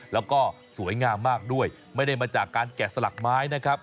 แล้วก็สวยงามมากด้วยไม่ได้มาจากการแกะสลักไม้นะครับ